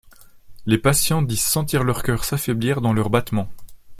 Les patients disent sentir leur cœur s'affaiblir dans leurs battements.